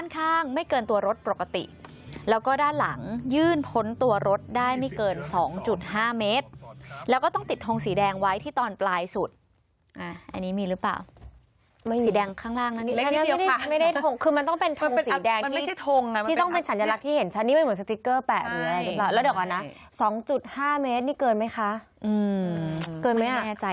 เกินไหมอ่ะไม่แน่ใจจริงนะคะ